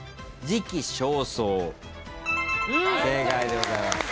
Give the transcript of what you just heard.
正解でございます。